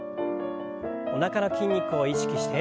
おなかの筋肉を意識して。